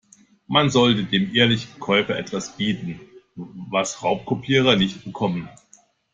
Man sollte dem ehrlichen Käufer etwas bieten, was Raubkopierer nicht bekommen.